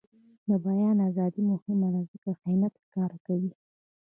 د بیان ازادي مهمه ده ځکه چې خیانت ښکاره کوي.